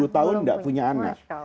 sembilan puluh tahun tidak punya anak